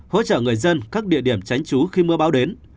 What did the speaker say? hỗ trợ người dân các địa điểm tránh chú khi mưa báo đến